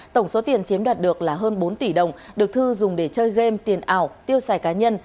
tổng số tiền chiếm đoạt được là hơn bốn tỷ đồng được thư dùng để chơi game tiền ảo tiêu xài cá nhân